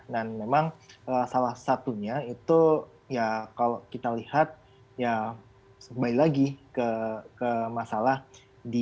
dan memang salah satunya itu ya kalau kita lihat ya kembali lagi ke masalah di